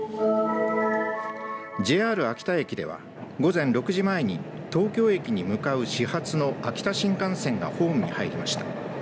ＪＲ秋田駅では午前６時前に東京駅に向かう始発の秋田新幹線がホームに入りました。